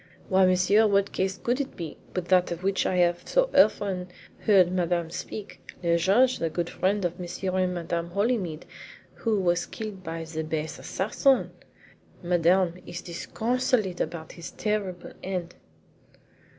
"Why, monsieur, what case should it be but that of which I have so often heard Madame speak? Le judge the good friend of Monsieur and Madame Holymead, who was killed by the base assassin! Madame is disconsolate about his terrible end!"